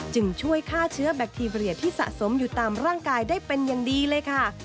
จึงช่วยฆ่าเชื้อแบคทีเรียที่สะสมอยู่ตามร่างกายได้เป็นอย่างดีเลยค่ะ